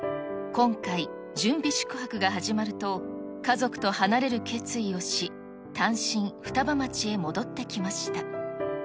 今回、準備宿泊が始まると、家族と離れる決意をし、単身、双葉町へ戻ってきました。